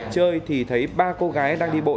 chơi thì thấy ba cô gái đang đi bộ